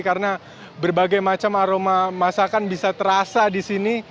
karena berbagai macam aroma masakan bisa terasa di sini